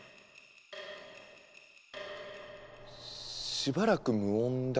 しばらく無音だけど。